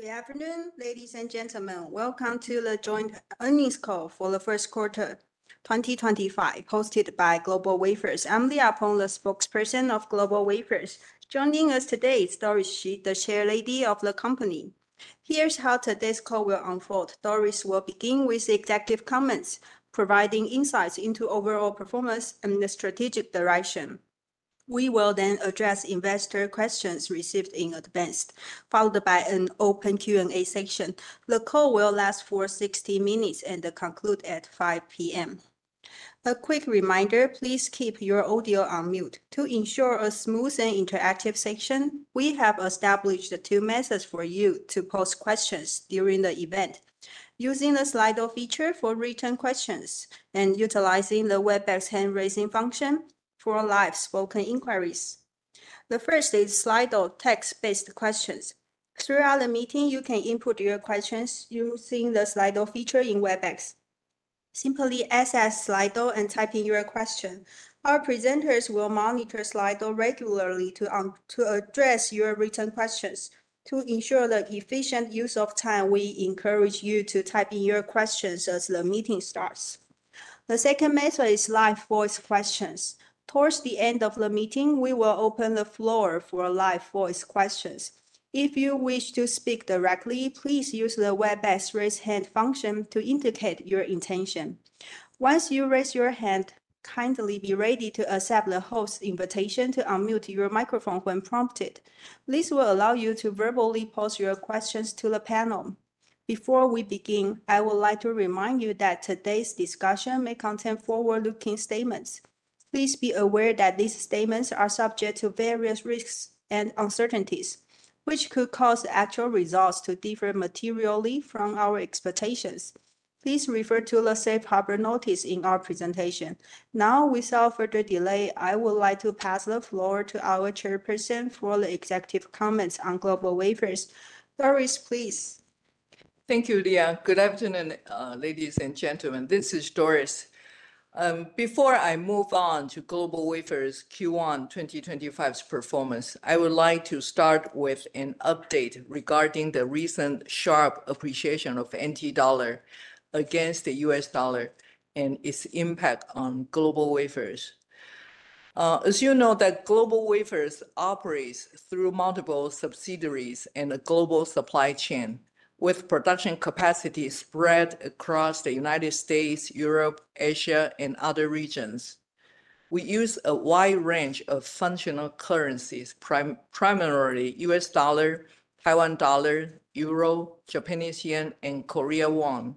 Good afternoon, ladies and gentlemen. Welcome to the joint Earnings Call for the First Quarter, 2025, hosted by GlobalWafers. I'm Leah Peng, the spokesperson of GlobalWafers. Joining us today is Doris Hsu, the Chairperson of the company. Here's how today's call will unfold. Doris will begin with executive comments, providing insights into overall performance and the strategic direction. We will then address investor questions received in advance, followed by an open Q&A section. The call will last for 60 minutes and conclude at 5:00 P.M. A quick reminder, please keep your audio on mute. To ensure a smooth and interactive session, we have established two methods for you to post questions during the event, using the Slido feature for written questions and utilizing the Webex hand-raising function for live spoken inquiries. The first is Slido text-based questions. Throughout the meeting, you can input your questions using the Slido feature in Webex. Simply access Slido and type in your question. Our presenters will monitor Slido regularly to address your written questions. To ensure the efficient use of time, we encourage you to type in your questions as the meeting starts. The second method is live voice questions. Towards the end of the meeting, we will open the floor for live voice questions. If you wish to speak directly, please use the Webex raise hand function to indicate your intention. Once you raise your hand, kindly be ready to accept the host's invitation to unmute your microphone when prompted. This will allow you to verbally post your questions to the panel. Before we begin, I would like to remind you that today's discussion may contain forward-looking statements. Please be aware that these statements are subject to various risks and uncertainties, which could cause actual results to differ materially from our expectations. Please refer to the safe harbor notice in our presentation. Now, without further delay, I would like to pass the floor to our Chairperson for the executive comments on GlobalWafers. Doris, please. Thank you, Leah. Good afternoon, ladies and gentlemen. This is Doris. Before I move on to GlobalWafers Q1 2025's performance, I would like to start with an update regarding the recent sharp appreciation of NT dollar against the US dollar and its impact on GlobalWafers. As you know, GlobalWafers operates through multiple subsidiaries and a global supply chain, with production capacity spread across the United States, Europe, Asia, and other regions. We use a wide range of functional currencies, primarily US dollar, Taiwan dollar, euro, Japanese yen, and Korea won,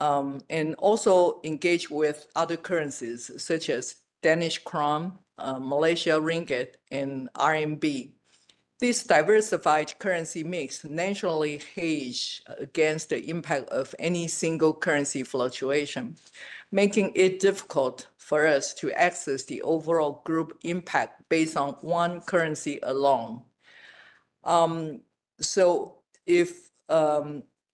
and also engage with other currencies such as Danish krone, Malaysia ringgit, and RMB. This diversified currency mix naturally hedges against the impact of any single currency fluctuation, making it difficult for us to assess the overall group impact based on one currency alone.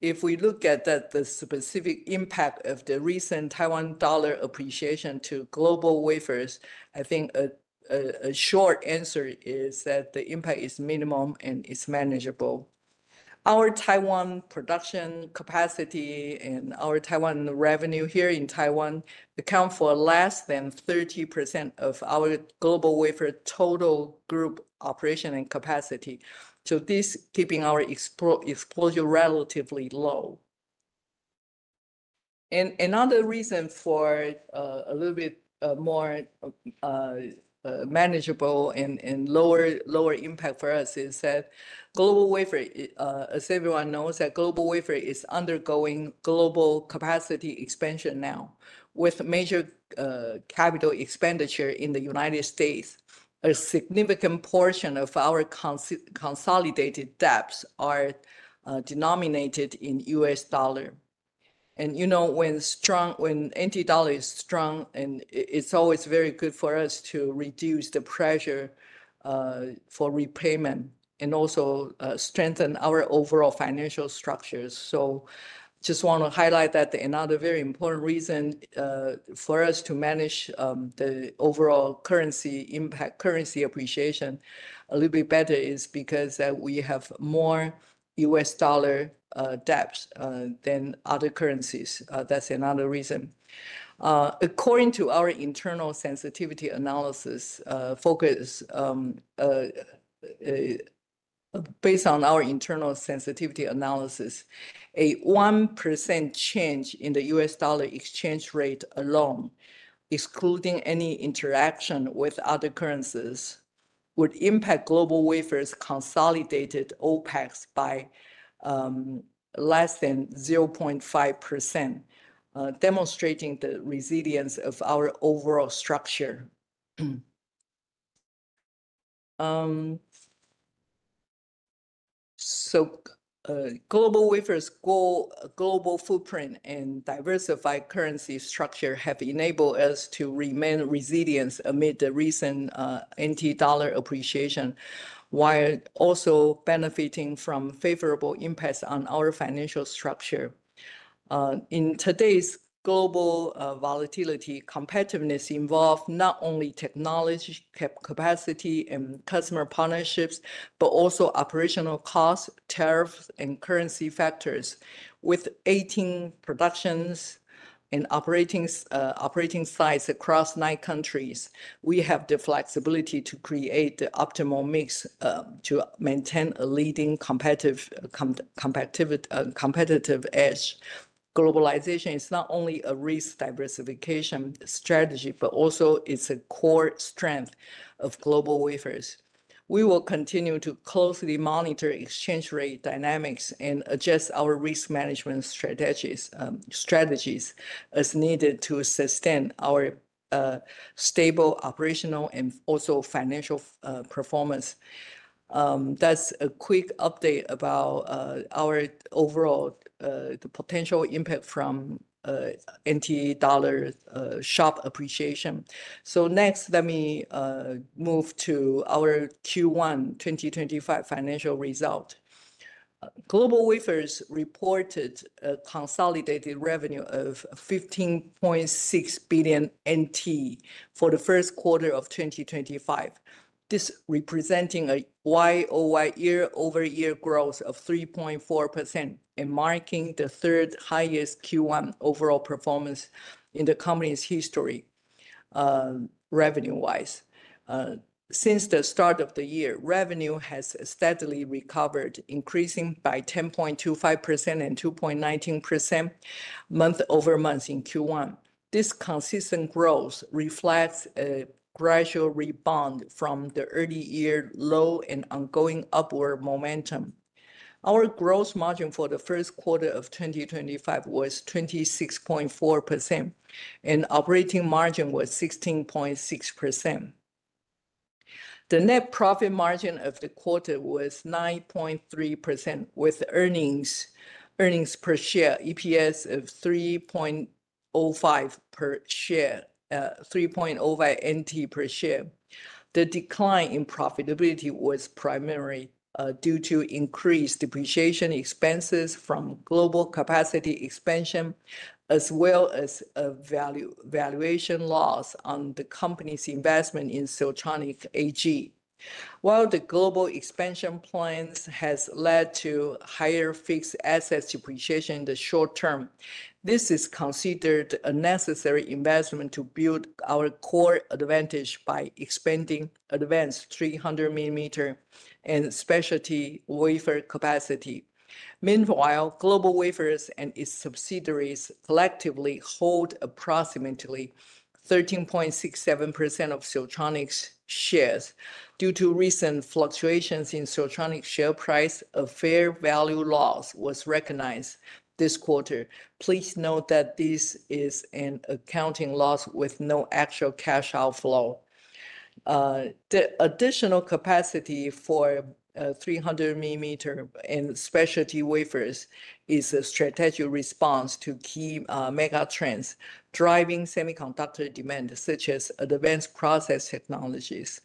If we look at the specific impact of the recent Taiwan dollar appreciation to GlobalWafers, I think a short answer is that the impact is minimum and is manageable. Our Taiwan production capacity and our Taiwan revenue here in Taiwan account for less than 30% of our GlobalWafers total group operation and capacity. This is keeping our exposure relatively low. Another reason for a little bit more manageable and lower impact for us is that GlobalWafers, as everyone knows, is undergoing global capacity expansion now with major capital expenditure in the United States. A significant portion of our consolidated debts are denominated in US dollar. You know when NT dollar is strong, it is always very good for us to reduce the pressure for repayment and also strengthen our overall financial structures. I just want to highlight that another very important reason for us to manage the overall currency impact, currency appreciation a little bit better is because we have more US dollar debts than other currencies. That's another reason. According to our internal sensitivity analysis, based on our internal sensitivity analysis, a 1% change in the US dollar exchange rate alone, excluding any interaction with other currencies, would impact GlobalWafers' consolidated OpEx by less than 0.5%, demonstrating the resilience of our overall structure. GlobalWafers' global footprint and diversified currency structure have enabled us to remain resilient amid the recent NT dollar appreciation, while also benefiting from favorable impacts on our financial structure. In today's global volatility, competitiveness involves not only technology capacity and customer partnerships, but also operational costs, tariffs, and currency factors. With 18 production and operating sites across nine countries, we have the flexibility to create the optimal mix to maintain a leading competitive edge. Globalization is not only a risk diversification strategy, but also it's a core strength of GlobalWafers. We will continue to closely monitor exchange rate dynamics and adjust our risk management strategies as needed to sustain our stable operational and also financial performance. That is a quick update about our overall potential impact from NT dollar sharp appreciation. Next, let me move to our Q1 2025 financial result. GlobalWafers reported a consolidated revenue of NT$15.6 billion for the first quarter of 2025, this representing a year-over-year growth of 3.4% and marking the third highest Q1 overall performance in the company's history revenue-wise. Since the start of the year, revenue has steadily recovered, increasing by 10.25% and 2.19% month-over-month in Q1. This consistent growth reflects a gradual rebound from the early year low and ongoing upward momentum. Our gross margin for the first quarter of 2025 was 26.4%, and operating margin was 16.6%. The net profit margin of the quarter was 9.3%, with earnings per share EPS of NT$3.05 per share, NT$3.05 per share. The decline in profitability was primarily due to increased depreciation expenses from global capacity expansion, as well as valuation loss on the company's investment in Siltronic AG. While the global expansion plans have led to higher fixed assets depreciation in the short term, this is considered a necessary investment to build our core advantage by expanding advanced 300 mm and specialty wafer capacity. Meanwhile, GlobalWafers and its subsidiaries collectively hold approximately 13.67% of Siltronic's shares. Due to recent fluctuations in Siltronic's share price, a fair value loss was recognized this quarter. Please note that this is an accounting loss with no actual cash outflow. The additional capacity for 300 mm and specialty wafers is a strategic response to key mega trends driving semiconductor demand, such as advanced process technologies.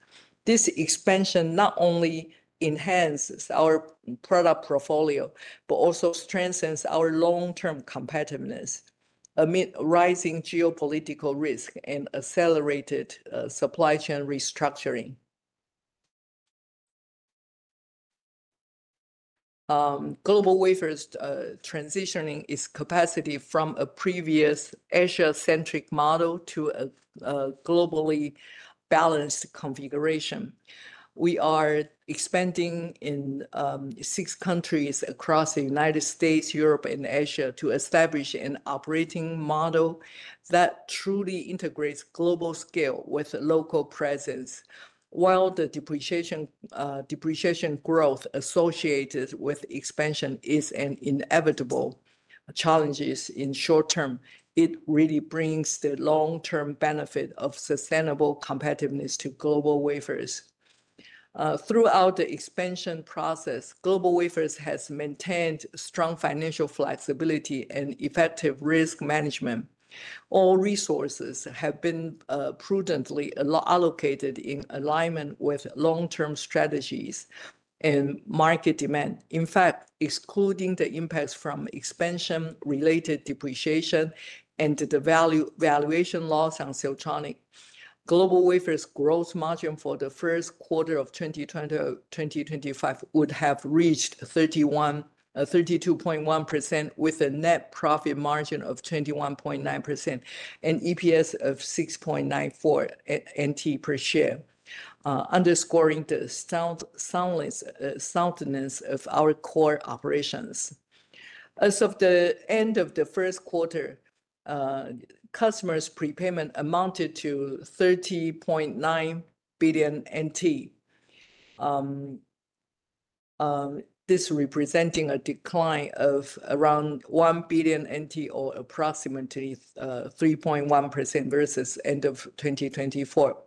This expansion not only enhances our product portfolio, but also strengthens our long-term competitiveness amid rising geopolitical risk and accelerated supply chain restructuring. GlobalWafers is transitioning its capacity from a previous Asia-centric model to a globally balanced configuration. We are expanding in six countries across the United States, Europe, and Asia to establish an operating model that truly integrates global scale with local presence. While the depreciation growth associated with expansion is an inevitable challenge in the short term, it really brings the long-term benefit of sustainable competitiveness to GlobalWafers. Throughout the expansion process, GlobalWafers has maintained strong financial flexibility and effective risk management. All resources have been prudently allocated in alignment with long-term strategies and market demand. In fact, excluding the impacts from expansion-related depreciation and the valuation loss on Siltronic AG, GlobalWafers' gross margin for the first quarter of 2025 would have reached 32.1%, with a net profit margin of 21.9% and EPS of NT$6.94 per share, underscoring the soundness of our core operations. As of the end of the first quarter, customers' prepayment amounted to NT$30.9 billion, this representing a decline of around NT$1 billion or approximately 3.1% versus the end of 2024.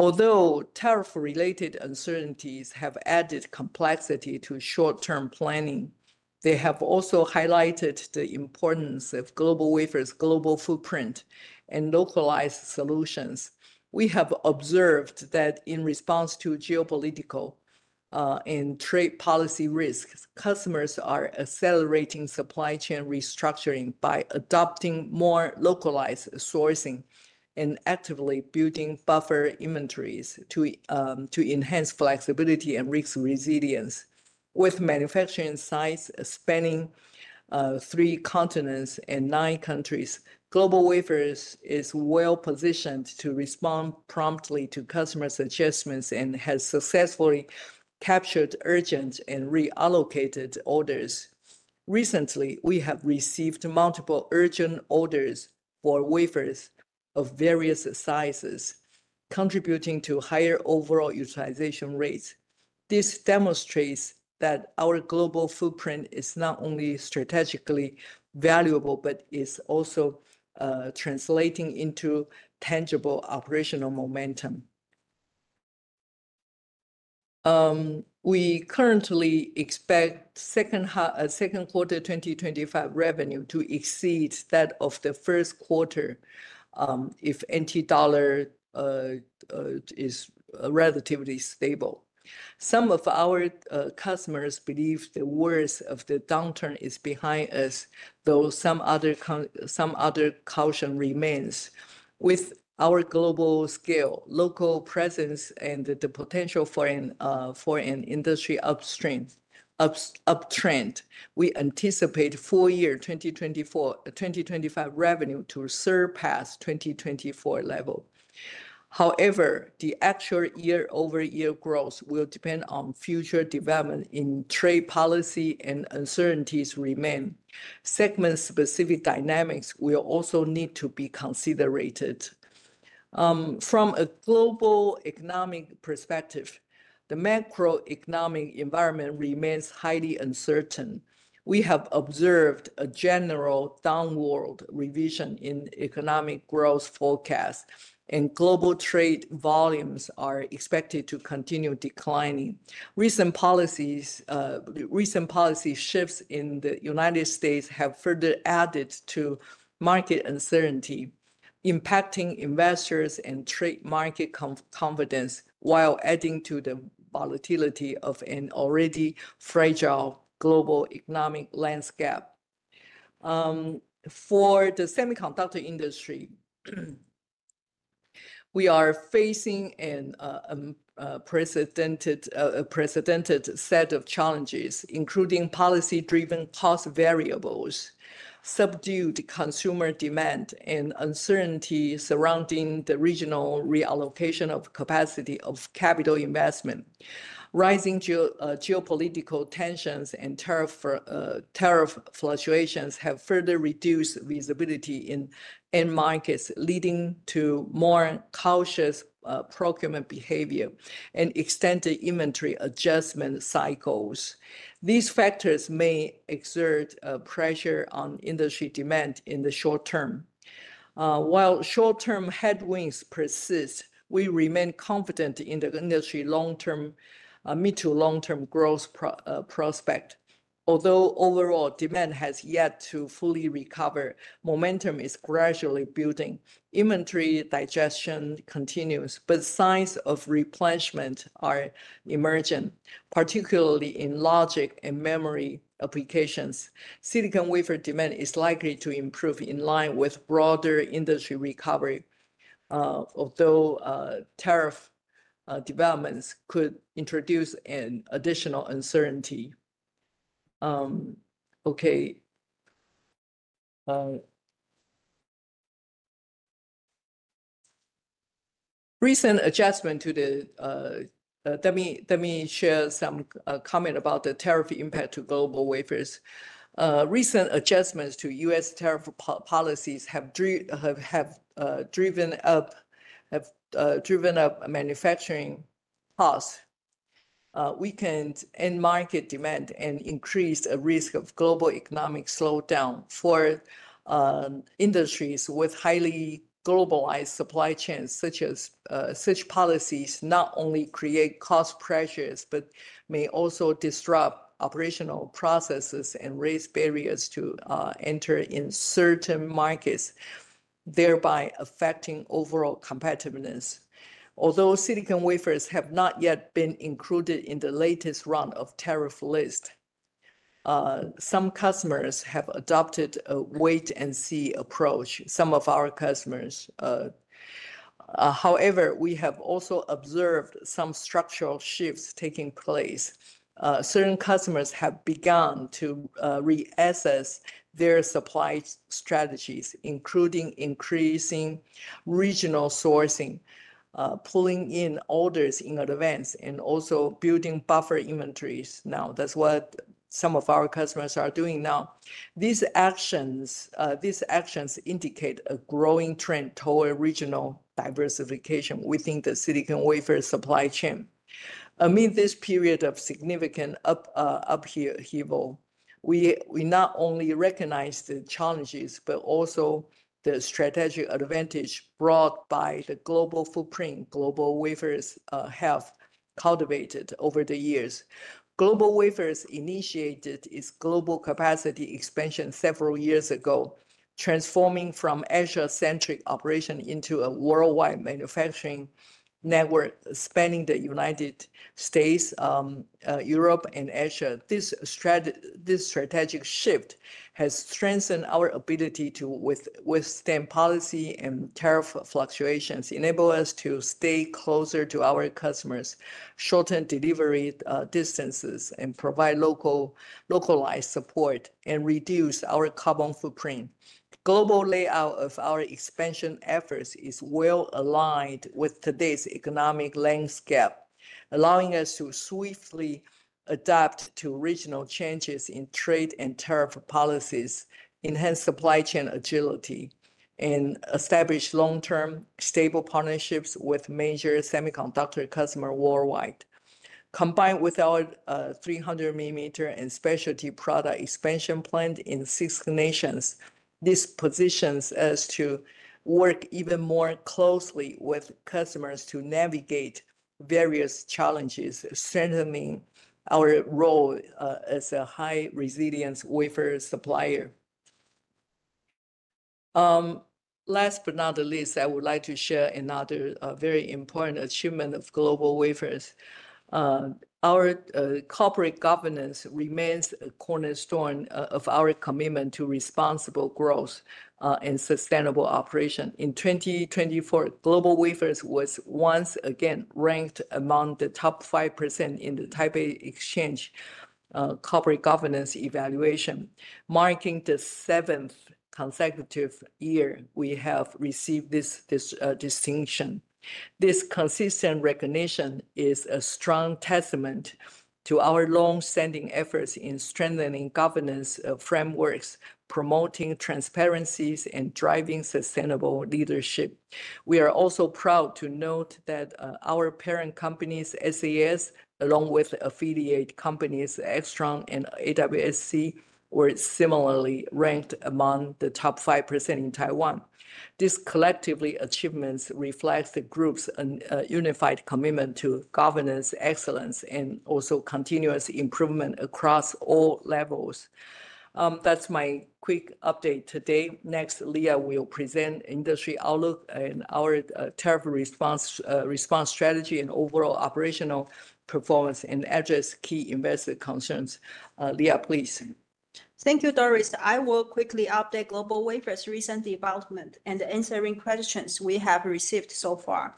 Although tariff-related uncertainties have added complexity to short-term planning, they have also highlighted the importance of GlobalWafers' global footprint and localized solutions. We have observed that in response to geopolitical and trade policy risks, customers are accelerating supply chain restructuring by adopting more localized sourcing and actively building buffer inventories to enhance flexibility and risk resilience. With manufacturing sites spanning three continents and nine countries, GlobalWafers is well positioned to respond promptly to customer suggestions and has successfully captured urgent and reallocated orders. Recently, we have received multiple urgent orders for wafers of various sizes, contributing to higher overall utilization rates. This demonstrates that our global footprint is not only strategically valuable, but is also translating into tangible operational momentum. We currently expect second quarter 2025 revenue to exceed that of the first quarter if NT dollar is relatively stable. Some of our customers believe the worst of the downturn is behind us, though some other caution remains. With our global scale, local presence, and the potential for an industry uptrend, we anticipate full year 2024-2025 revenue to surpass 2024 level. However, the actual year-over-year growth will depend on future developments in trade policy and uncertainties remain. Segment-specific dynamics will also need to be considered. From a global economic perspective, the macroeconomic environment remains highly uncertain. We have observed a general downward revision in economic growth forecasts, and global trade volumes are expected to continue declining. Recent policy shifts in the U.S. have further added to market uncertainty, impacting investors' and trade market confidence while adding to the volatility of an already fragile global economic landscape. For the semiconductor industry, we are facing a precedented set of challenges, including policy-driven cost variables, subdued consumer demand, and uncertainty surrounding the regional reallocation of capacity of capital investment. Rising geopolitical tensions and tariff fluctuations have further reduced visibility in markets, leading to more cautious procurement behavior and extended inventory adjustment cycles. These factors may exert pressure on industry demand in the short term. While short-term headwinds persist, we remain confident in the industry's mid to long-term growth prospect. Although overall demand has yet to fully recover, momentum is gradually building. Inventory digestion continues, but signs of replenishment are emerging, particularly in logic and memory applications. Silicon wafer demand is likely to improve in line with broader industry recovery, although tariff developments could introduce additional uncertainty. Recent adjustment to the let me share some comment about the tariff impact to GlobalWafers. Recent adjustments to U.S. tariff policies have driven up manufacturing costs, weakened end-market demand, and increased the risk of global economic slowdown for industries with highly globalized supply chains. Such policies not only create cost pressures, but may also disrupt operational processes and raise barriers to enter in certain markets, thereby affecting overall competitiveness. Although silicon wafers have not yet been included in the latest round of tariff lists, some customers have adopted a wait-and-see approach. Some of our customers. However, we have also observed some structural shifts taking place. Certain customers have begun to reassess their supply strategies, including increasing regional sourcing, pulling in orders in advance, and also building buffer inventories. Now, that's what some of our customers are doing now. These actions indicate a growing trend toward regional diversification within the silicon wafer supply chain. Amid this period of significant upheaval, we not only recognize the challenges, but also the strategic advantage brought by the global footprint GlobalWafers have cultivated over the years. GlobalWafers initiated its global capacity expansion several years ago, transforming from an Asia-centric operation into a worldwide manufacturing network spanning the United States, Europe, and Asia. This strategic shift has strengthened our ability to withstand policy and tariff fluctuations, enabling us to stay closer to our customers, shorten delivery distances, provide localized support, and reduce our carbon footprint. Global layout of our expansion efforts is well aligned with today's economic landscape, allowing us to swiftly adapt to regional changes in trade and tariff policies, enhance supply chain agility, and establish long-term stable partnerships with major semiconductor customers worldwide. Combined with our 300mm and specialty product expansion plan in six nations, this positions us to work even more closely with customers to navigate various challenges, strengthening our role as a high-resilience wafer supplier. Last but not least, I would like to share another very important achievement of GlobalWafers. Our corporate governance remains a cornerstone of our commitment to responsible growth and sustainable operation. In 2024, GlobalWafers was once again ranked among the top 5% in the Taipei Exchange Corporate Governance Evaluation. Marking the seventh consecutive year, we have received this distinction. This consistent recognition is a strong testament to our long-standing efforts in strengthening governance frameworks, promoting transparencies, and driving sustainable leadership. We are also proud to note that our parent companies, SAS, along with affiliate companies Extron and AWSC, were similarly ranked among the top 5% in Taiwan. These collective achievements reflect the group's unified commitment to governance excellence and also continuous improvement across all levels. That's my quick update today. Next, Leah will present industry outlook and our tariff response strategy and overall operational performance and address key investor concerns. Leah, please. Thank you, Doris. I will quickly update GlobalWafers' recent development and answering questions we have received so far.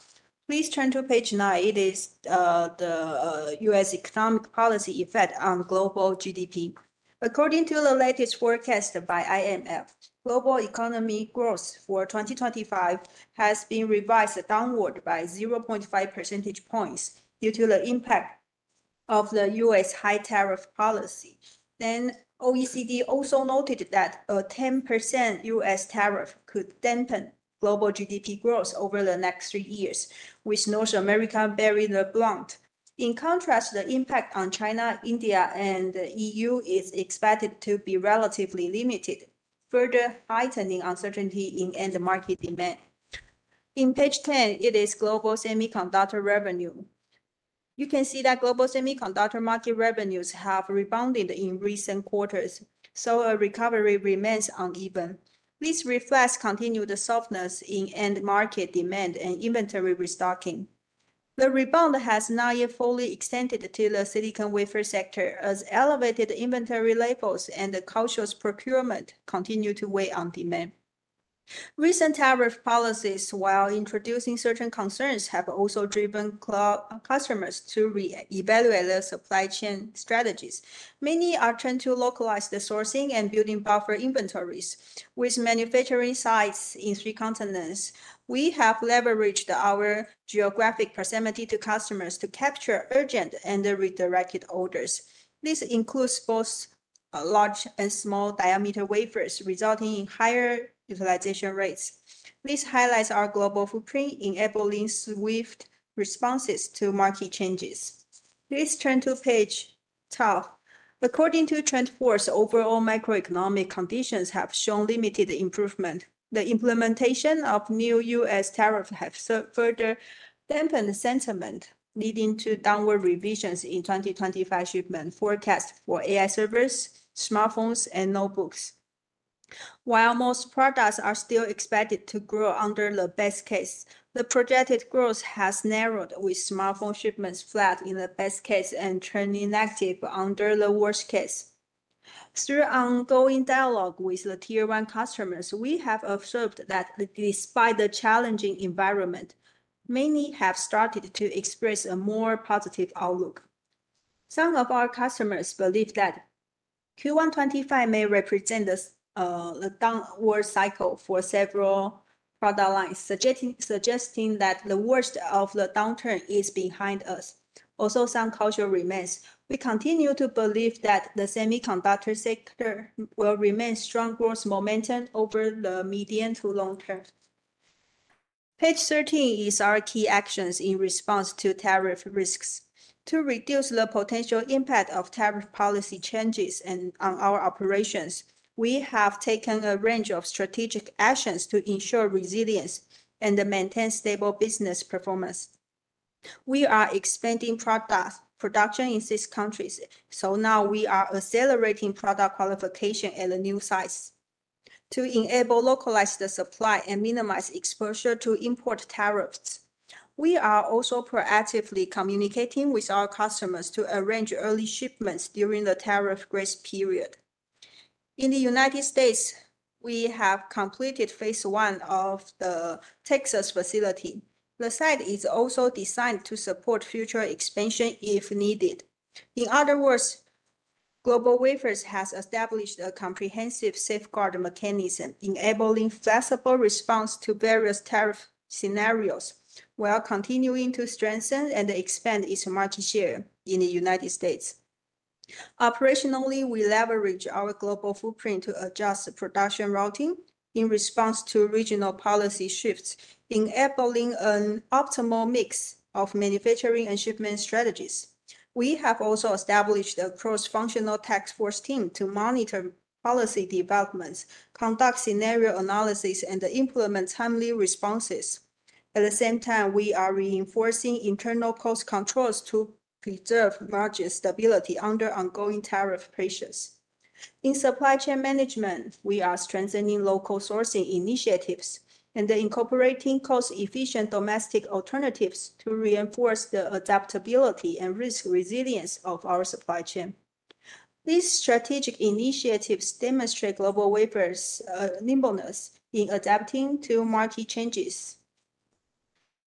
Please turn to page nine. It is the U.S. economic policy effect on global GDP. According to the latest forecast by IMF, global economy growth for 2025 has been revised downward by 0.5 percentage points due to the impact of the U.S. high tariff policy. OECD also noted that a 10% U.S. tariff could dampen global GDP growth over the next three years, with North America bearing the brunt. In contrast, the impact on China, India, and the EU is expected to be relatively limited, further heightening uncertainty in end-market demand. On page 10, it is global semiconductor revenue. You can see that global semiconductor market revenues have rebounded in recent quarters, so a recovery remains uneven. This reflects continued softness in end-market demand and inventory restocking. The rebound has not yet fully extended to the silicon wafer sector, as elevated inventory levels and the cautious procurement continue to weigh on demand. Recent tariff policies, while introducing certain concerns, have also driven customers to reevaluate their supply chain strategies. Many are trying to localize the sourcing and building buffer inventories. With manufacturing sites in three continents, we have leveraged our geographic proximity to customers to capture urgent and redirected orders. This includes both large and small diameter wafers, resulting in higher utilization rates. This highlights our global footprint, enabling swift responses to market changes. Please turn to page 12. According to TrendForce, overall macroeconomic conditions have shown limited improvement. The implementation of new U.S. tariffs has further dampened sentiment, leading to downward revisions in 2025 shipment forecasts for AI servers, smartphones, and notebooks. While most products are still expected to grow under the best case, the projected growth has narrowed, with smartphone shipments flat in the best case and turning negative under the worst case. Through ongoing dialogue with the tier-one customers, we have observed that despite the challenging environment, many have started to express a more positive outlook. Some of our customers believe that Q1 2025 may represent the downward cycle for several product lines, suggesting that the worst of the downturn is behind us. Although some caution remains, we continue to believe that the semiconductor sector will remain strong growth momentum over the medium to long term. Page 13 is our key actions in response to tariff risks. To reduce the potential impact of tariff policy changes on our operations, we have taken a range of strategic actions to ensure resilience and maintain stable business performance. We are expanding product production in six countries, so now we are accelerating product qualification at the new sites to enable localized supply and minimize exposure to import tariffs. We are also proactively communicating with our customers to arrange early shipments during the tariff grace period. In the U.S., we have completed phase one of the Texas facility. The site is also designed to support future expansion if needed. In other words, GlobalWafers has established a comprehensive safeguard mechanism, enabling flexible response to various tariff scenarios while continuing to strengthen and expand its market share in the U.S. Operationally, we leverage our global footprint to adjust production routing in response to regional policy shifts, enabling an optimal mix of manufacturing and shipment strategies. We have also established a cross-functional task force team to monitor policy developments, conduct scenario analysis, and implement timely responses. At the same time, we are reinforcing internal cost controls to preserve margin stability under ongoing tariff pressures. In supply chain management, we are strengthening local sourcing initiatives and incorporating cost-efficient domestic alternatives to reinforce the adaptability and risk resilience of our supply chain. These strategic initiatives demonstrate GlobalWafers' nimbleness in adapting to market changes.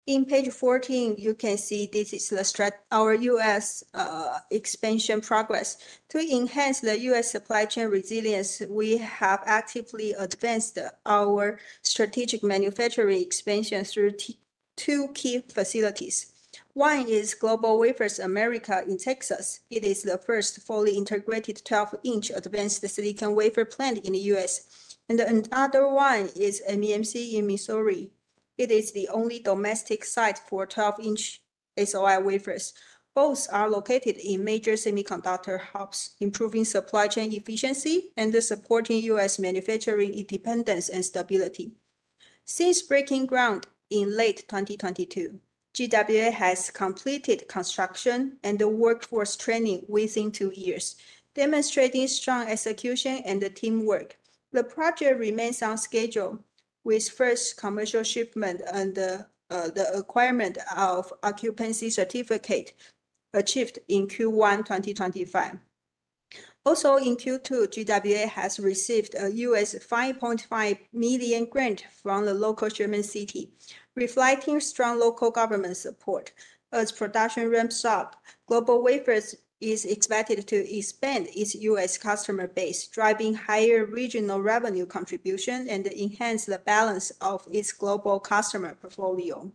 On page 14, you can see this is our U.S. expansion progress. To enhance the U.S. supply chain resilience, we have actively advanced our strategic manufacturing expansion through two key facilities. One is GlobalWafers America in Texas. It is the first fully integrated 12 in advanced silicon wafer plant in the U.S. Another one is MEMC in Missouri. It is the only domestic site for 12 in SOI wafers. Both are located in major semiconductor hubs, improving supply chain efficiency and supporting U.S. manufacturing independence and stability. Since breaking ground in late 2022, GWA has completed construction and the workforce training within two years, demonstrating strong execution and teamwork. The project remains on schedule, with first commercial shipment and the acquirement of occupancy certificate achieved in Q1 2025. Also, in Q2, GWA has received a US$ 5.5 million grant from the local Sherman City, reflecting strong local government support. As production ramps up, GlobalWafers is expected to expand its US customer base, driving higher regional revenue contribution and enhancing the balance of its global customer portfolio.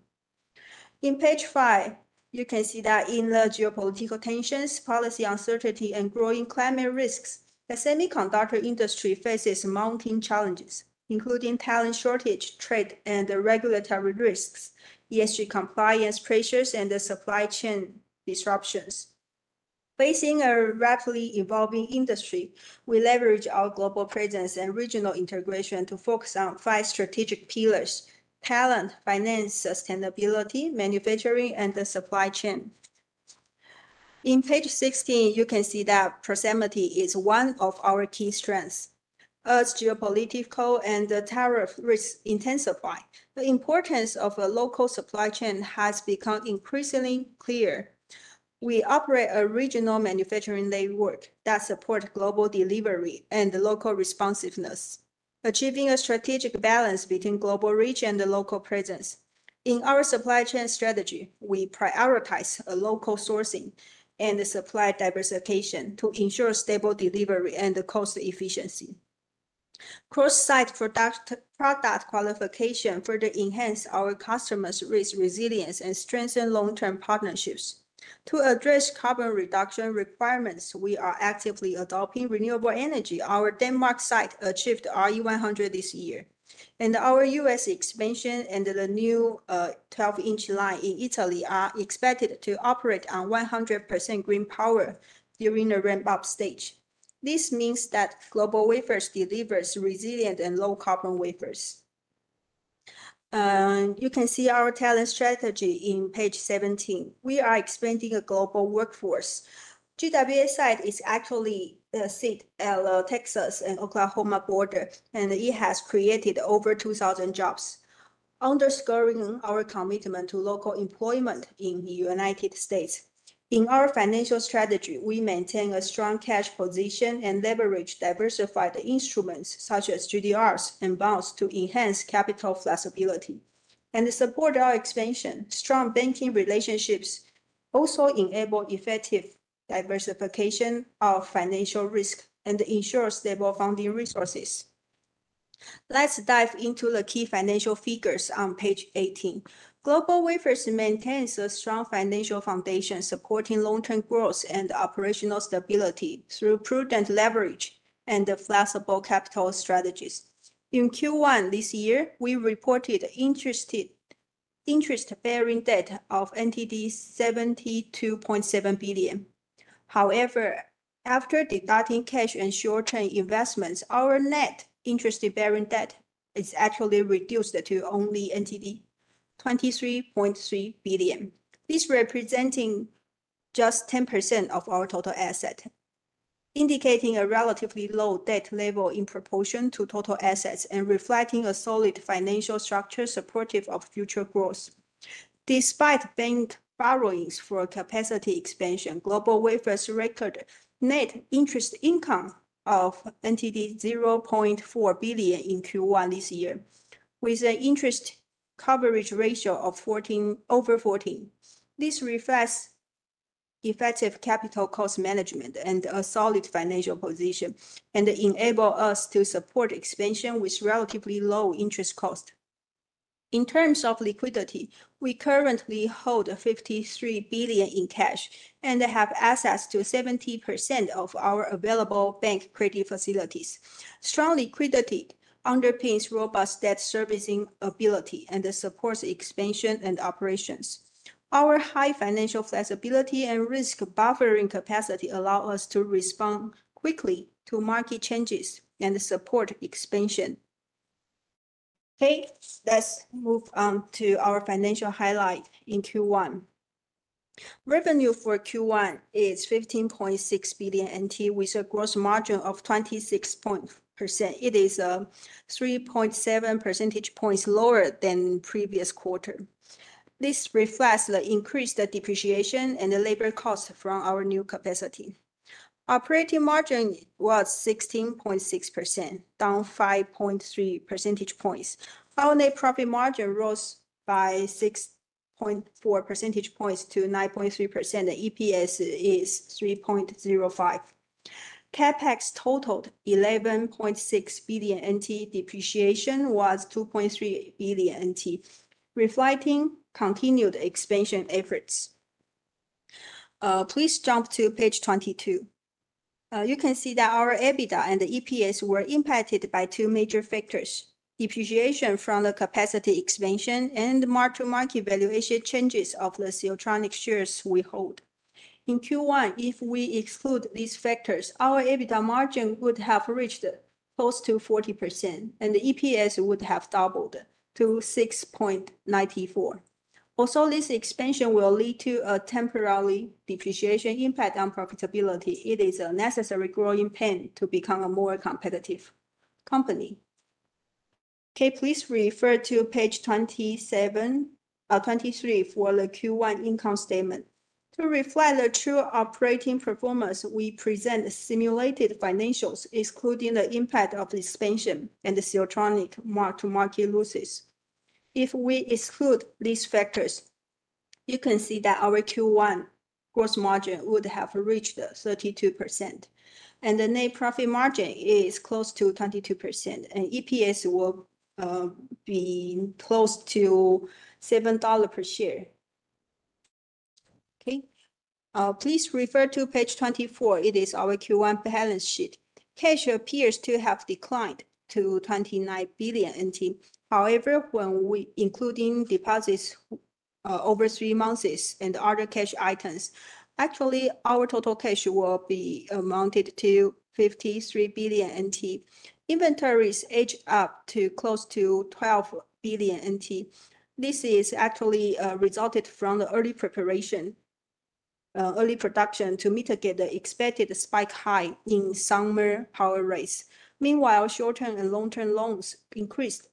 In page five, you can see that in the geopolitical tensions, policy uncertainty, and growing climate risks, the semiconductor industry faces mounting challenges, including talent shortage, trade, and regulatory risks, ESG compliance pressures, and the supply chain disruptions. Facing a rapidly evolving industry, we leverage our global presence and regional integration to focus on five strategic pillars: talent, finance, sustainability, manufacturing, and the supply chain. In page 16, you can see that proximity is one of our key strengths. As geopolitical and the tariff risks intensify, the importance of a local supply chain has become increasingly clear. We operate a regional manufacturing network that supports global delivery and local responsiveness, achieving a strategic balance between global reach and the local presence. In our supply chain strategy, we prioritize local sourcing and supply diversification to ensure stable delivery and cost efficiency. Cross-site product qualification further enhances our customers' risk resilience and strengthens long-term partnerships. To address carbon reduction requirements, we are actively adopting renewable energy. Our Denmark site achieved RE100 this year, and our US expansion and the new 12 in line in Italy are expected to operate on 100% green power during the ramp-up stage. This means that GlobalWafers delivers resilient and low-carbon wafers. You can see our talent strategy in page 17. We are expanding a global workforce. GWA's site is actually situated at the Texas and Oklahoma border, and it has created over 2,000 jobs, underscoring our commitment to local employment in the United States. In our financial strategy, we maintain a strong cash position and leverage diversified instruments such as GDRs and bonds to enhance capital flexibility and support our expansion. Strong banking relationships also enable effective diversification of financial risk and ensure stable funding resources. Let's dive into the key financial figures on page 18. GlobalWafers maintains a strong financial foundation, supporting long-term growth and operational stability through prudent leverage and flexible capital strategies. In Q1 this year, we reported interest-bearing debt of NTD 72.7 billion. However, after deducting cash and short-term investments, our net interest-bearing debt is actually reduced to only NTD 23.3 billion. This represents just 10% of our total asset, indicating a relatively low debt level in proportion to total assets and reflecting a solid financial structure supportive of future growth. Despite bank borrowings for capacity expansion, GlobalWafers recorded net interest income of NTD 0.4 billion in Q1 this year, with an interest coverage ratio of 14 over 14. This reflects effective capital cost management and a solid financial position, and it enables us to support expansion with relatively low interest costs. In terms of liquidity, we currently hold NTD 53 billion in cash and have access to 70% of our available bank credit facilities. Strong liquidity underpins robust debt servicing ability and supports expansion and operations. Our high financial flexibility and risk buffering capacity allow us to respond quickly to market changes and support expansion. Okay, let's move on to our financial highlight in Q1. Revenue for Q1 is NT$15.6 billion, with a gross margin of 26.0%. It is 3.7 percentage points lower than the previous quarter. This reflects the increased depreciation and labor costs from our new capacity. Operating margin was 16.6%, down 5.3 percentage points. Our net profit margin rose by 6.4 percentage points to 9.3%. The EPS is NTD 3.05. CapEx totaled NT$11.6 billion. Depreciation was NT$2.3 billion, reflecting continued expansion efforts. Please jump to page 22. You can see that our EBITDA and EPS were impacted by two major factors: depreciation from the capacity expansion and market valuation changes of the Siltronic shares we hold. In Q1, if we exclude these factors, our EBITDA margin would have reached close to 40%, and the EPS would have doubled to NTD 26.94. Also, this expansion will lead to a temporary depreciation impact on profitability. It is a necessary growing pain to become a more competitive company. Okay, please refer to page 23 for the Q1 income statement. To reflect the true operating performance, we present simulated financials, excluding the impact of expansion and the Siltronic mark-to-market losses. If we exclude these factors, you can see that our Q1 gross margin would have reached 32%, and the net profit margin is close to 22%, and EPS will be close to $7 per share. Okay, please refer to page 24. It is our Q1 balance sheet. Cash appears to have declined to NT$29 billion. However, when we include deposits over three months and other cash items, actually, our total cash will be amounted to NT$ 53 billion. Inventories edge up to close to NT$12 billion. This is actually resulting from the early preparation, early production to mitigate the expected spike high in summer power rates. Meanwhile, short-term and long-term loans increased.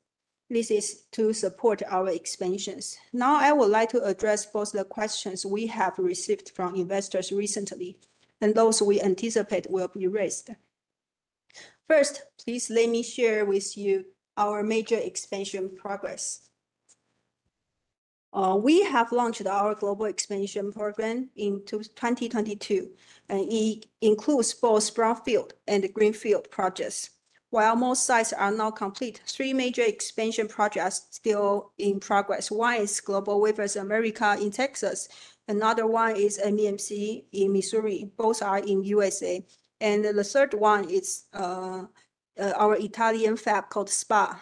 This is to support our expansions. Now, I would like to address both the questions we have received from investors recently and those we anticipate will be raised. First, please let me share with you our major expansion progress. We have launched our global expansion program in 2022, and it includes both brownfield and greenfield projects. While most sites are not complete, three major expansion projects are still in progress. One is GlobalWafers America in Texas. Another one is MEMC in Missouri. Both are in the U.S. And the third one is our Italian fab called SPA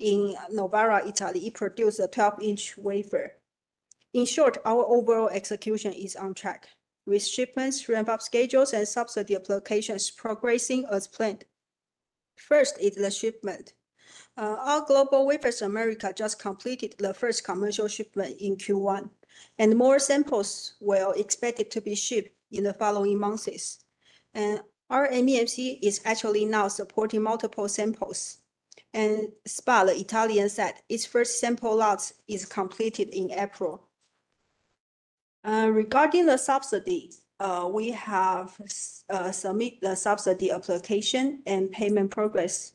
in Novara, Italy. It produces a 12-inch wafer. In short, our overall execution is on track, with shipments, ramp-up schedules, and subsidy applications progressing as planned. First is the shipment. Our GlobalWafers America just completed the first commercial shipment in Q1, and more samples were expected to be shipped in the following months. Our MEMC is actually now supporting multiple samples. SPA, the Italian site, its first sample lot is completed in April. Regarding the subsidies, we have submitted the subsidy application and payment progress.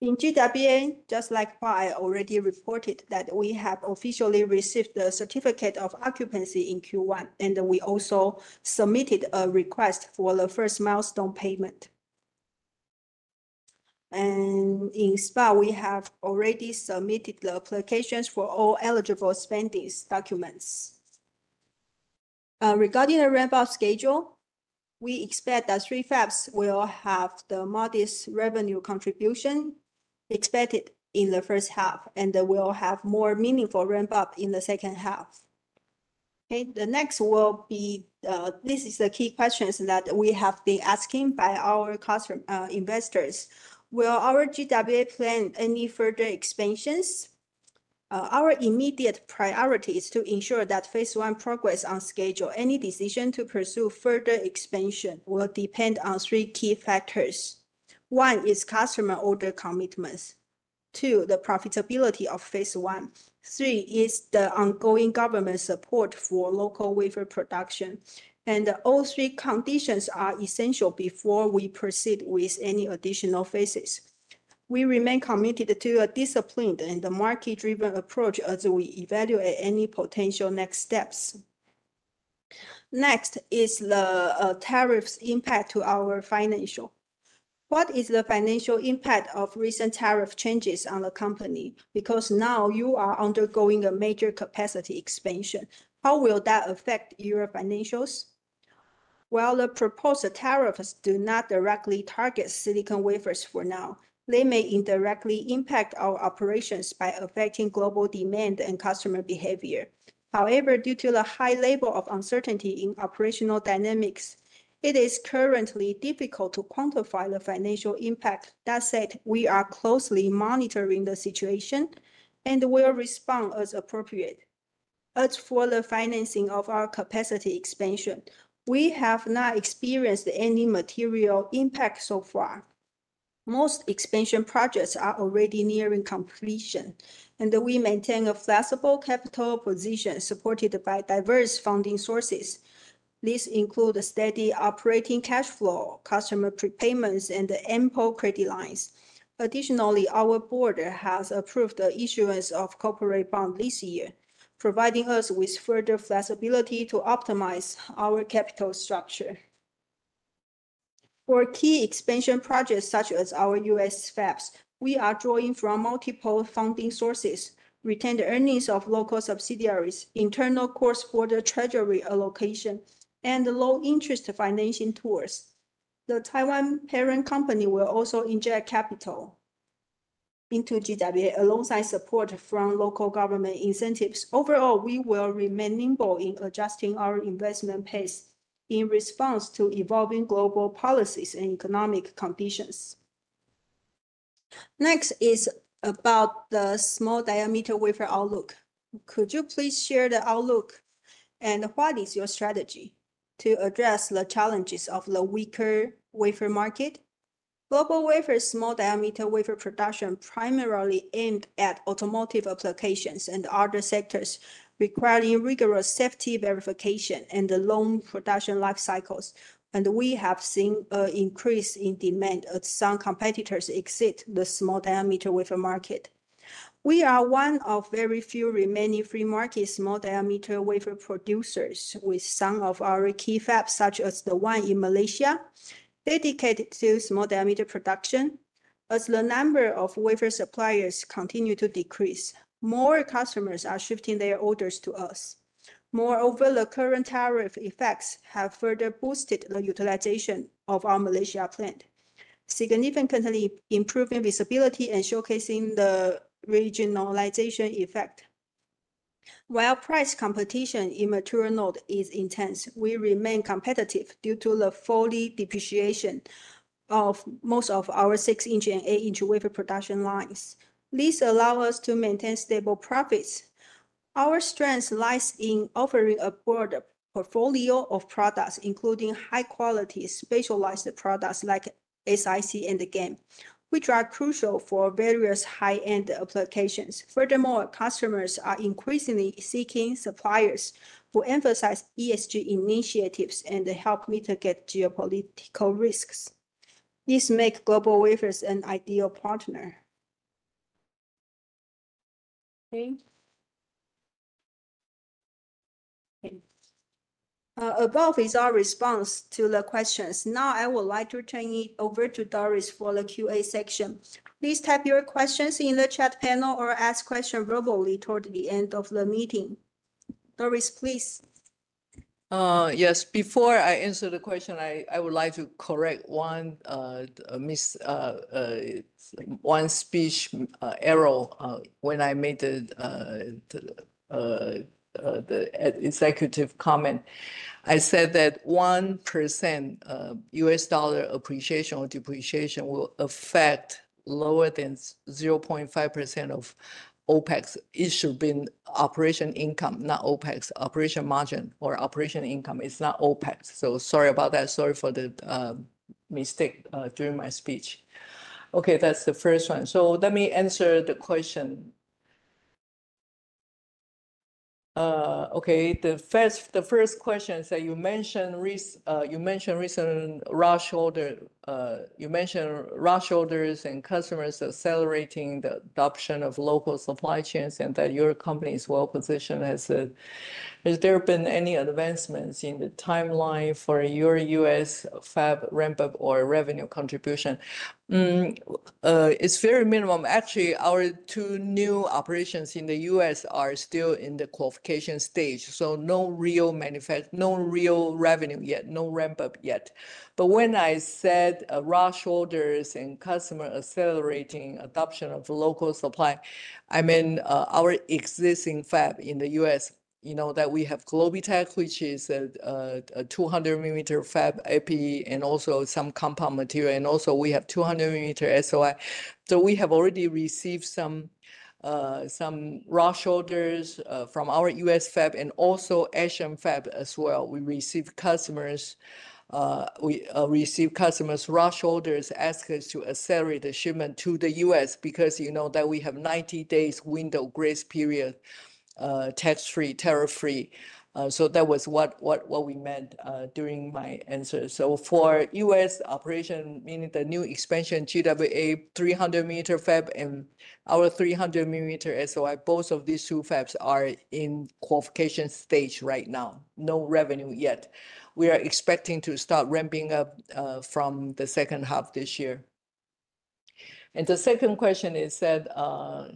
In GWA, just like what I already reported, we have officially received the certificate of occupancy in Q1, and we also submitted a request for the first milestone payment. In SPA, we have already submitted the applications for all eligible spending documents. Regarding the ramp-up schedule, we expect that three fabs will have the modest revenue contribution expected in the first half, and we will have more meaningful ramp-up in the second half. Okay, the next will be this is the key questions that we have been asking by our customer investors. Will our GWA plan any further expansions? Our immediate priority is to ensure that phase one progress on schedule. Any decision to pursue further expansion will depend on three key factors. One is customer order commitments. Two, the profitability of phase one. Three is the ongoing government support for local wafer production. All three conditions are essential before we proceed with any additional phases. We remain committed to a disciplined and market-driven approach as we evaluate any potential next steps. Next is the tariffs' impact to our financial. What is the financial impact of recent tariff changes on the company? Because now you are undergoing a major capacity expansion. How will that affect your financials? While the proposed tariffs do not directly target silicon wafers for now, they may indirectly impact our operations by affecting global demand and customer behavior. However, due to the high level of uncertainty in operational dynamics, it is currently difficult to quantify the financial impact. That said, we are closely monitoring the situation and will respond as appropriate. As for the financing of our capacity expansion, we have not experienced any material impact so far. Most expansion projects are already nearing completion, and we maintain a flexible capital position supported by diverse funding sources. These include steady operating cash flow, customer prepayments, and ample credit lines. Additionally, our board has approved the issuance of corporate bonds this year, providing us with further flexibility to optimize our capital structure. For key expansion projects such as our US fabs, we are drawing from multiple funding sources, retained earnings of local subsidiaries, internal cross-border treasury allocation, and low-interest financing tours. The Taiwan parent company will also inject capital into GWA alongside support from local government incentives. Overall, we will remain nimble in adjusting our investment pace in response to evolving global policies and economic conditions. Next is about the small diameter wafer outlook. Could you please share the outlook and what is your strategy to address the challenges of the weaker wafer market? GlobalWafers' small diameter wafer production primarily aimed at automotive applications and other sectors requiring rigorous safety verification and long production life cycles. We have seen an increase in demand as some competitors exit the small diameter wafer market. We are one of very few remaining free-market small diameter wafer producers, with some of our key fabs, such as the one in Malaysia, dedicated to small diameter production. As the number of wafer suppliers continues to decrease, more customers are shifting their orders to us. Moreover, the current tariff effects have further boosted the utilization of our Malaysia plant, significantly improving visibility and showcasing the regionalization effect. While price competition in material node is intense, we remain competitive due to the fully depreciated most of our 6-inch and 8-inch wafer production lines. These allow us to maintain stable profits. Our strength lies in offering a broader portfolio of products, including high-quality specialized products like SiC and GaN, which are crucial for various high-end applications. Furthermore, customers are increasingly seeking suppliers who emphasize ESG initiatives and help mitigate geopolitical risks. This makes GlobalWafers an ideal partner. Okay. Above is our response to the questions. Now, I would like to turn it over to Doris for the Q&A section. Please type your questions in the chat panel or ask questions verbally toward the end of the meeting. Doris, please. Yes. Before I answer the question, I would like to correct one misspeech error when I made the executive comment. I said that 1% US dollar appreciation or depreciation will affect lower than 0.5% of OpEx. It should have been operating income, not OpEx. Operating margin or operating income. It is not OpEx. Sorry about that. Sorry for the mistake during my speech. Okay, that is the first one. Let me answer the question. The first question is that you mentioned recent rush orders. You mentioned rush orders and customers accelerating the adoption of local supply chains and that your company is well positioned. Has there been any advancements in the timeline for your U.S. fab ramp-up or revenue contribution? It's very minimum. Actually, our two new operations in the U.S. are still in the qualification stage. So no real revenue yet. No ramp-up yet. When I said rush orders and customer accelerating adoption of local supply, I meant our existing fab in the U.S. You know that we have Globitech, which is a 200 mm fab, APE, and also some compound material. Also, we have 200 mm SOI. We have already received some rush orders from our U.S. fab and also Asian fab as well. We received customers' rush orders asking us to accelerate the shipment to the U.S. because you know that we have a 90-day window grace period, tax-free, tariff-free. That was what we meant during my answer. For U.S. operation, meaning the new expansion, GWA 300 mm fab and our 300 mm SOI, both of these two fabs are in qualification stage right now. No revenue yet. We are expecting to start ramping up from the second half this year. The second question is that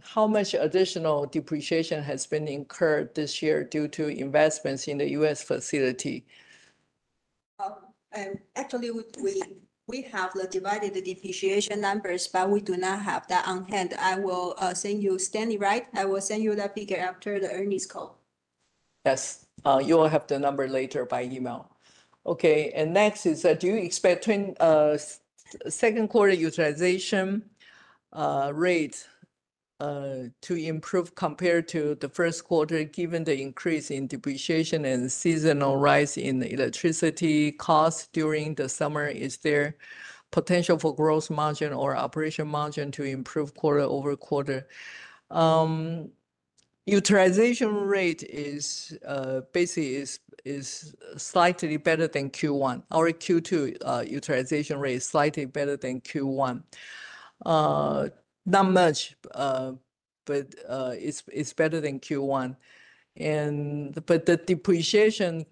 how much additional depreciation has been incurred this year due to investments in the U.S. facility? Actually, we have the divided depreciation numbers, but we do not have that on hand. I will send you Stanley Wright. I will send you that figure after the earnings call. Yes. You will have the number later by email. Okay. Next is that do you expect second quarter utilization rate to improve compared to the first quarter given the increase in depreciation and seasonal rise in electricity costs during the summer? Is there potential for gross margin or operating margin to improve quarter over quarter? Utilization rate is basically slightly better than Q1. Our Q2 utilization rate is slightly better than Q1. Not much, but it is better than Q1. The depreciation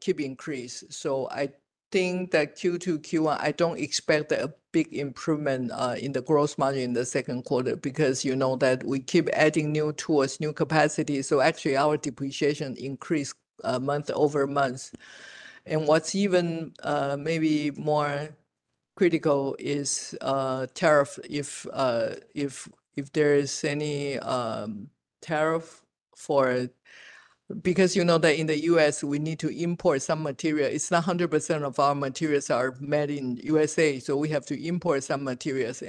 keeps increasing. I think that Q2, Q1, I do not expect a big improvement in the gross margin in the second quarter because you know that we keep adding new tools, new capacity. Actually, our depreciation increased month over month. What is even maybe more critical is tariff. If there is any tariff, because you know that in the U.S., we need to import some material. It is not 100% of our materials are made in the U.S.A. We have to import some materials.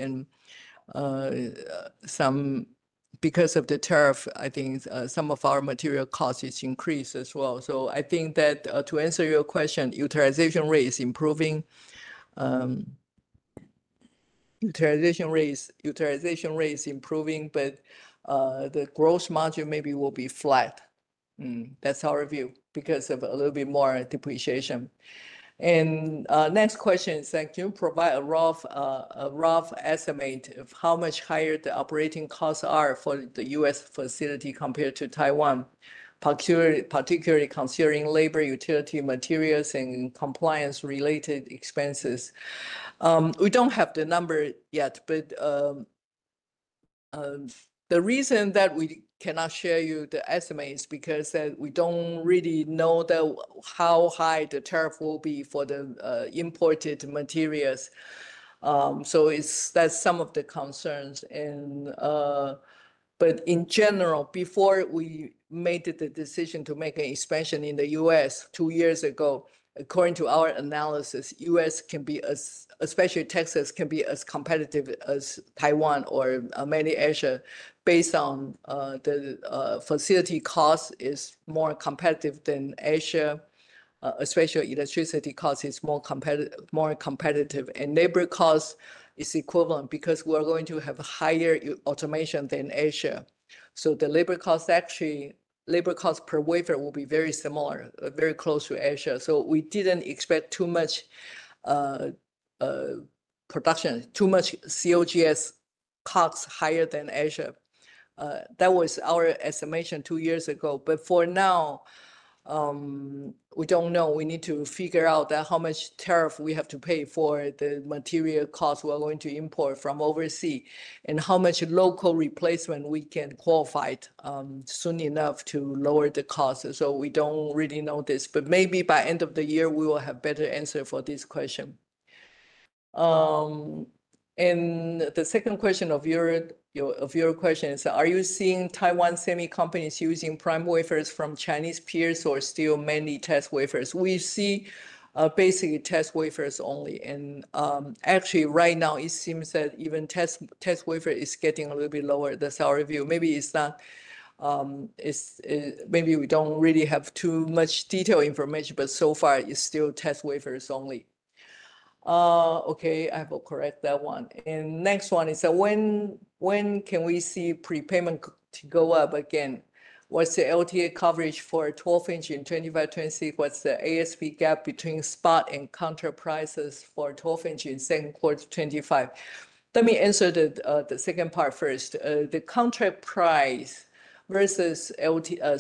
Because of the tariff, I think some of our material costs have increased as well. I think that to answer your question, utilization rate is improving. Utilization rate is improving, but the gross margin maybe will be flat. That is our view because of a little bit more depreciation. The next question is that can you provide a rough estimate of how much higher the operating costs are for the US facility compared to Taiwan, particularly considering labor, utility, materials, and compliance-related expenses? We do not have the number yet, but the reason that we cannot share you the estimate is because we do not really know how high the tariff will be for the imported materials. That is some of the concerns. In general, before we made the decision to make an expansion in the U.S. two years ago, according to our analysis, U.S., especially Texas, can be as competitive as Taiwan or many Asia based on the facility cost is more competitive than Asia, especially electricity cost is more competitive. Labor cost is equivalent because we're going to have higher automation than Asia. The labor cost per wafer will be very similar, very close to Asia. We did not expect too much production, too much COGS costs higher than Asia. That was our estimation two years ago. For now, we do not know. We need to figure out how much tariff we have to pay for the material costs we are going to import from overseas and how much local replacement we can qualify soon enough to lower the cost. We do not really know this. Maybe by end of the year, we will have a better answer for this question. The second question is, are you seeing Taiwan semicompanies using prime wafers from Chinese peers or still mainly test wafers? We see basically test wafers only. Actually, right now, it seems that even test wafer is getting a little bit lower. That is our view. Maybe it is not. Maybe we do not really have too much detailed information, but so far, it is still test wafers only. Okay, I will correct that one. Next one is, when can we see prepayment go up again? What is the LTA coverage for 12 in in 2025-2026? What is the ASP gap between spot and contract prices for 12-inch in 2025? Let me answer the second part first. The contract price versus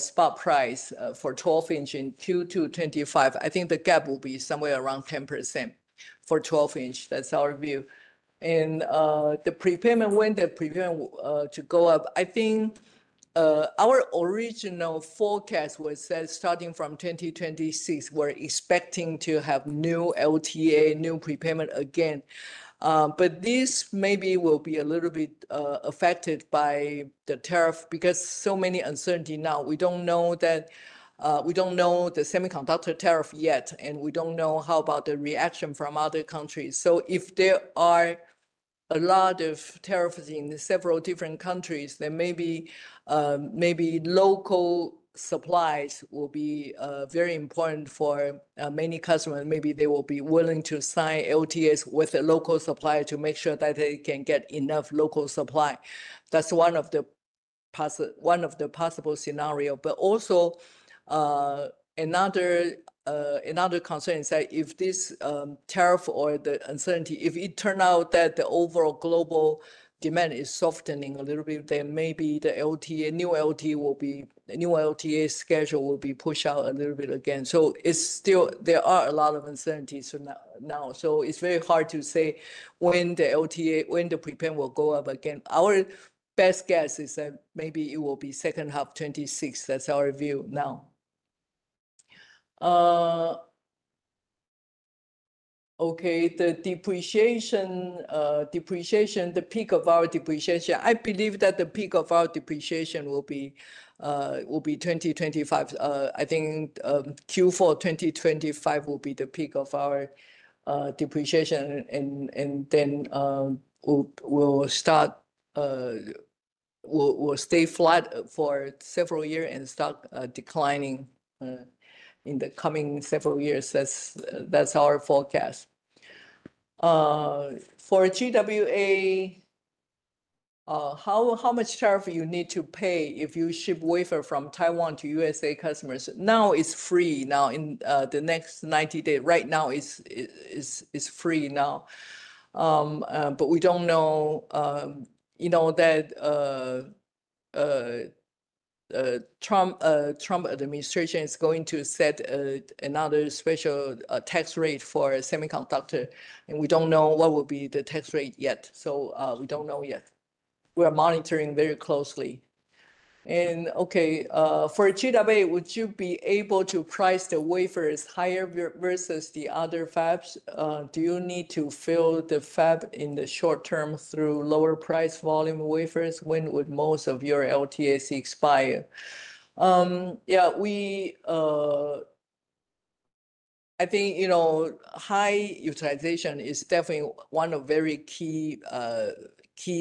spot price for 12 in in Q2 2025, I think the gap will be somewhere around 10% for 12-inch. That's our view. The prepayment, when the prepayment will go up, I think our original forecast was that starting from 2026, we're expecting to have new LTA, new prepayment again. This maybe will be a little bit affected by the tariff because so many uncertainties now. We don't know the semiconductor tariff yet, and we don't know about the reaction from other countries. If there are a lot of tariffs in several different countries, then maybe local supplies will be very important for many customers. Maybe they will be willing to sign LTAs with a local supplier to make sure that they can get enough local supply. That's one of the possible scenarios. But also, another concern is that if this tariff or the uncertainty, if it turns out that the overall global demand is softening a little bit, then maybe the new LTA schedule will be pushed out a little bit again. There are a lot of uncertainties now. It is very hard to say when the LTA, when the prepayment will go up again. Our best guess is that maybe it will be second half 2026. That is our view now. Okay, the depreciation, the peak of our depreciation. I believe that the peak of our depreciation will be 2025. I think Q4 2025 will be the peak of our depreciation. Then we will stay flat for several years and start declining in the coming several years. That is our forecast. For GWA, how much tariff do you need to pay if you ship wafer from Taiwan to U.S. customers? Now it's free now in the next 90 days. Right now, it's free now. We don't know that the Trump administration is going to set another special tax rate for semiconductor. We don't know what will be the tax rate yet. We don't know yet. We're monitoring very closely. For GWA, would you be able to price the wafers higher versus the other fabs? Do you need to fill the fab in the short term through lower price volume wafers? When would most of your LTAs expire? I think high utilization is definitely one of the very key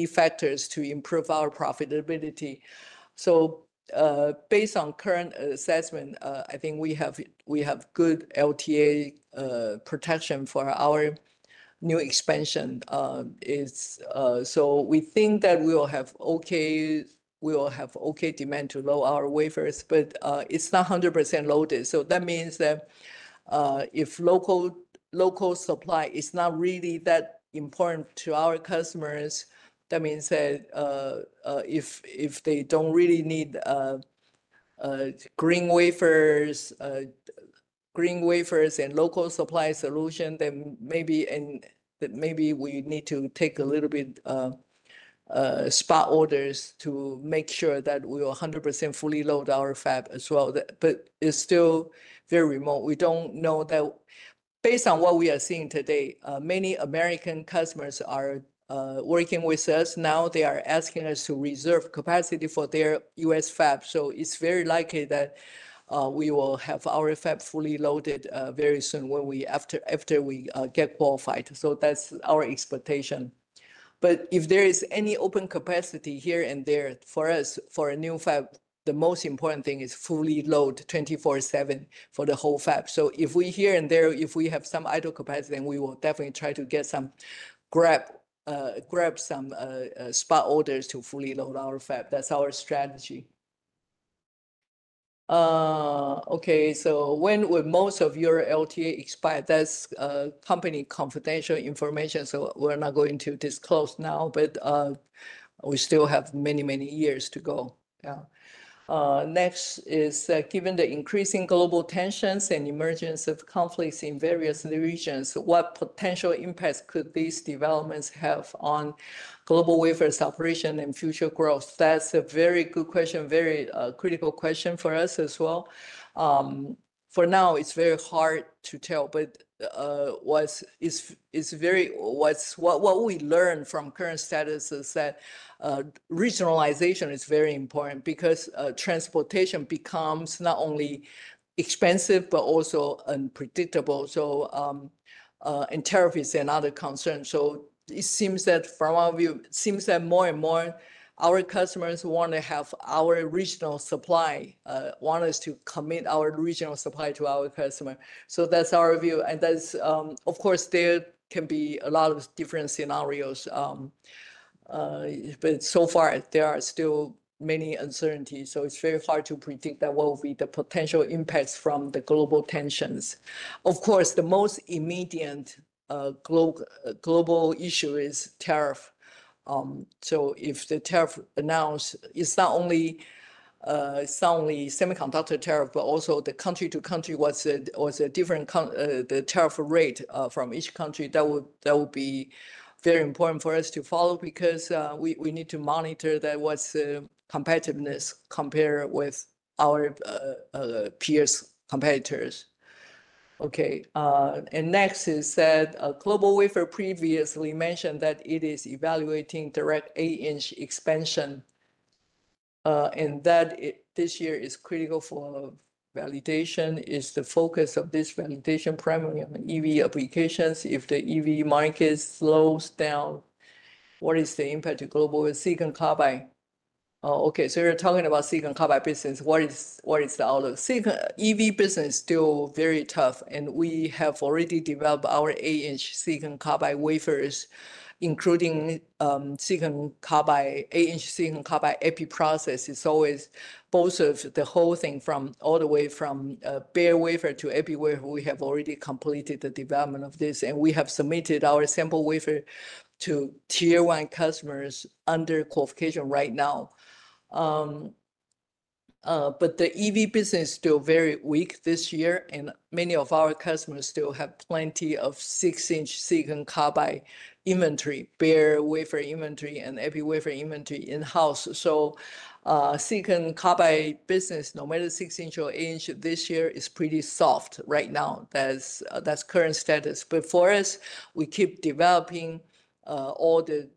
factors to improve our profitability. Based on current assessment, I think we have good LTA protection for our new expansion. We think that we will have okay demand to load our wafers, but it's not 100% loaded. That means that if local supply is not really that important to our customers, that means that if they do not really need green wafers and local supply solution, then maybe we need to take a little bit of spot orders to make sure that we will 100% fully load our fab as well. It is still very remote. We do not know that. Based on what we are seeing today, many American customers are working with us now. They are asking us to reserve capacity for their US fab. It is very likely that we will have our fab fully loaded very soon after we get qualified. That is our expectation. If there is any open capacity here and there for us for a new fab, the most important thing is fully load 24/7 for the whole fab. If we here and there, if we have some idle capacity, then we will definitely try to get some, grab some spot orders to fully load our fab. That is our strategy. Okay, when would most of your LTA expire? That is company confidential information. We are not going to disclose now, but we still have many, many years to go. Next is that given the increasing global tensions and emergence of conflicts in various regions, what potential impacts could these developments have on global wafer separation and future growth? That is a very good question, very critical question for us as well. For now, it is very hard to tell, but what we learned from current status is that regionalization is very important because transportation becomes not only expensive, but also unpredictable. Tariff is another concern. It seems that from our view, it seems that more and more our customers want to have our regional supply, want us to commit our regional supply to our customer. That is our view. Of course, there can be a lot of different scenarios. So far, there are still many uncertainties. It is very hard to predict what will be the potential impacts from the global tensions. Of course, the most immediate global issue is tariff. If the tariff is announced, it is not only semiconductor tariff, but also the country-to-country, what is the different tariff rate from each country, that will be very important for us to follow because we need to monitor what is the competitiveness compared with our peers, competitors. Next is that GlobalWafers previously mentioned that it is evaluating direct eight-inch expansion. That this year is critical for validation. Is the focus of this validation primarily on EV applications? If the EV market slows down, what is the impact to global silicon carbide? Okay, so we're talking about silicon carbide business. What is the outlook? Silicon EV business is still very tough. We have already developed our 8 in silicon carbide wafers, including silicon carbide, 8 in silicon carbide EPI process. It's always both of the whole thing from all the way from bare wafer to EPI wafer. We have already completed the development of this. We have submitted our sample wafer to tier one customers under qualification right now. The EV business is still very weak this year. Many of our customers still have plenty of 6 in silicon carbide inventory, bare wafer inventory, and EPI wafer inventory in-house. So silicon carbide business, no matter 6 in or 8 in, this year is pretty soft right now. That is current status. For us, we keep developing all the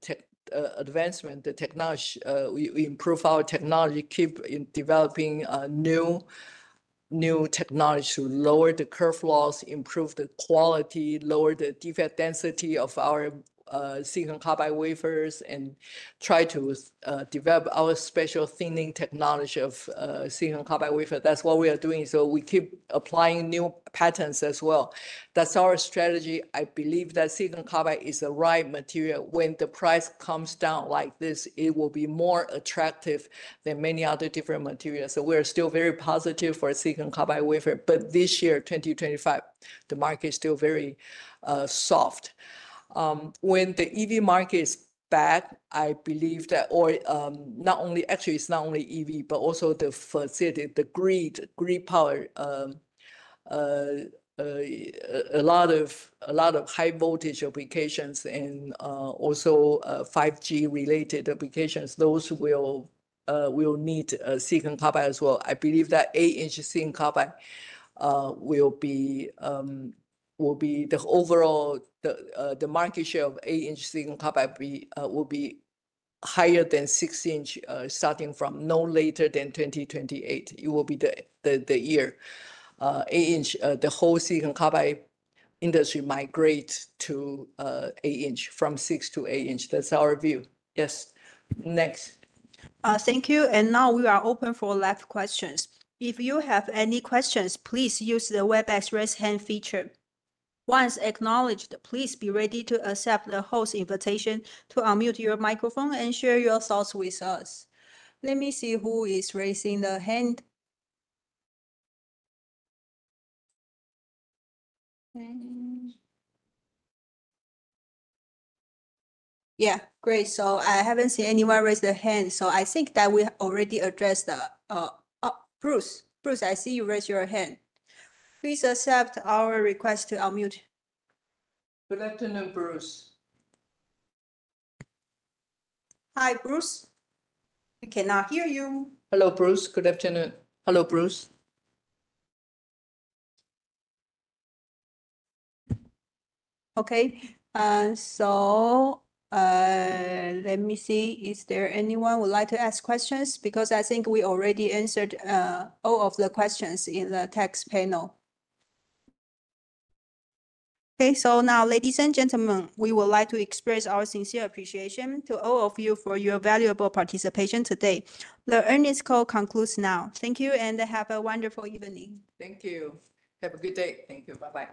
advancement, the technology. We improve our technology, keep developing new technology to lower the curve loss, improve the quality, lower the defect density of our silicon carbide wafers, and try to develop our special thinning technology of silicon carbide wafer. That is what we are doing. We keep applying new patterns as well. That is our strategy. I believe that silicon carbide is the right material. When the price comes down like this, it will be more attractive than many other different materials. We are still very positive for silicon carbide wafer. This year, 2025, the market is still very soft. When the EV market is back, I believe that not only, actually, it's not only EV, but also the facility, the grid, grid power, a lot of high-voltage applications and also 5G-related applications, those will need silicon carbide as well. I believe that eight-inch silicon carbide will be the overall, the market share of eight-inch silicon carbide will be higher than six-inch starting from no later than 2028. It will be the year. Eight-inch, the whole silicon carbide industry migrates to eight-inch from six to eight-inch. That's our view. Yes. Next. Thank you. Now we are open for live questions. If you have any questions, please use the Webex raise hand feature. Once acknowledged, please be ready to accept the host invitation to unmute your microphone and share your thoughts with us. Let me see who is raising the hand. Yeah, great. I have not seen anyone raise their hand. I think that we already addressed Bruce. Bruce, I see you raised your hand. Please accept our request to unmute. Good afternoon, Bruce. Hi, Bruce. We cannot hear you. Hello, Bruce. Good afternoon. Hello, Bruce. Let me see. Is there anyone who would like to ask questions? I think we already answered all of the questions in the text panel. Now, ladies and gentlemen, we would like to express our sincere appreciation to all of you for your valuable participation today. The earnings call concludes now. Thank you, and have a wonderful evening. Thank you. Have a good day. Thank you. Bye-bye.